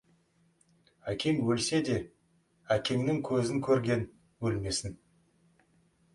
Әкең өлсе де, әкеңнің көзін көрген өлмесін.